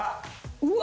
うわ！